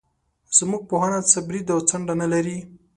زموږ پوهنه څه برید او څنډه نه لري.